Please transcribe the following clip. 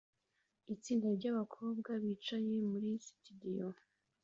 Itsinda ryabakobwa bicaye muri sitidiyo